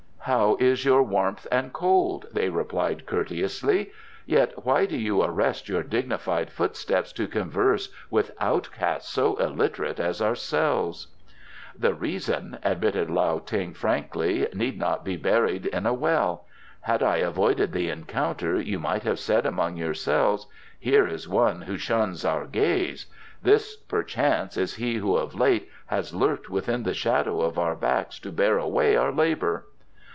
"How is your warmth and cold?" they replied courteously. "Yet why do you arrest your dignified footsteps to converse with outcasts so illiterate as ourselves?" "The reason," admitted Lao Ting frankly, "need not be buried in a well. Had I avoided the encounter you might have said among yourselves: 'Here is one who shuns our gaze. This, perchance, is he who of late has lurked within the shadow of our backs to bear away our labour.